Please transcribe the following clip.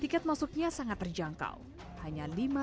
tiket masuknya sangat terjangkau hanya lima rupiah